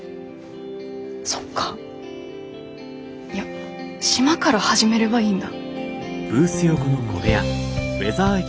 そっかいや島から始めればいいんだ。